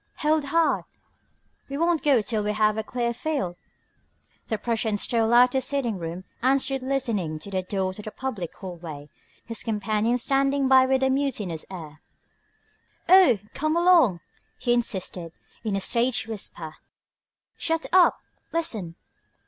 "Hold hard! We won't go till we have a clear field." The Prussian stole out into the sitting room and stood listening at the door to the public hallway, his companion standing by with a mutinous air. "Oh, come along!" he insisted, in a stage whisper. "Shut up! Listen...."